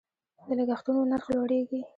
د لګښتونو نرخ لوړیږي.